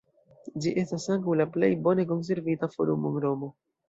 Ĝi estas ankaŭ la plej bone konservita forumo en Romo.